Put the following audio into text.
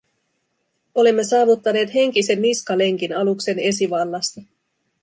Olimme saavuttaneet henkisen niskalenkin aluksen esivallasta.